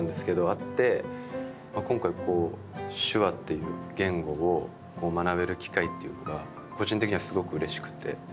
あって今回こう手話っていう言語を学べる機会っていうのが個人的にはすごくうれしくて。